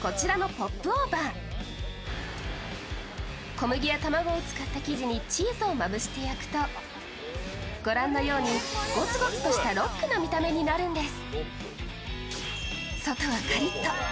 小麦や卵を使った生地にチーズをまぶして焼くとご覧のようにゴツゴツとしたロックな見た目になるんです。